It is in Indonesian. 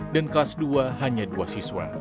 dan kelas dua hanya dua siswa